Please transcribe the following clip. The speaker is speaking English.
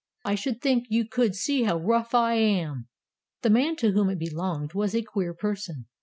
" I should think you could see how rough I am." The man to whom it belonged was a queer person.